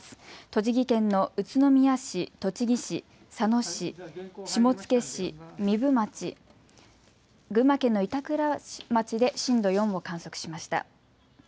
栃木県の宇都宮市、栃木市、佐野市、下野市、壬生町、群馬県の板倉町で震度４を観測しました。